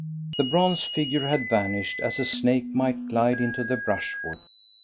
The bronze figure had vanished, as a snake might glide into the brushwood.